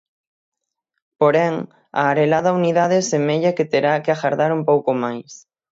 Porén, a arelada unidade semella que terá que agardar un pouco máis.